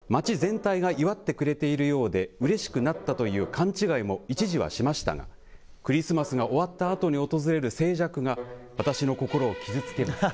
クリスマス直後に誕生日を迎える私は、街全体が祝ってくれているようでうれしくなったという勘違いも一時はしましたが、クリスマスが終わったあとに訪れる静寂が、私の心を傷つけます。